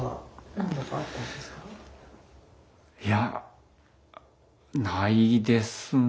いやないですね。